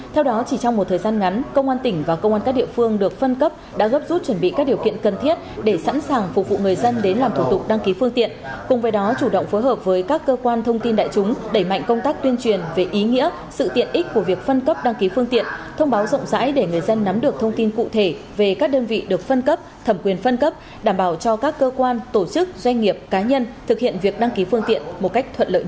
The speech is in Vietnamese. theo đó chỉ trong một thời gian ngắn công an tỉnh và công an các địa phương được phân cấp đã gấp rút chuẩn bị các điều kiện cần thiết để sẵn sàng phục vụ người dân đến làm thủ tục đăng ký phương tiện cùng với đó chủ động phối hợp với các cơ quan thông tin đại chúng đẩy mạnh công tác tuyên truyền về ý nghĩa sự tiện ích của việc phân cấp đăng ký phương tiện thông báo rộng rãi để người dân nắm được thông tin cụ thể về các đơn vị được phân cấp thẩm quyền phân cấp đảm bảo cho các cơ quan tổ chức doanh nghiệp cá nhân thực hiện việc đăng ký phương tiện một cách thu